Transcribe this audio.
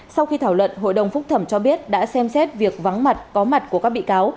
sau khi thảo luận hội đồng phúc thẩm cho biết đã xem xét việc vắng mặt có mặt của các bị cáo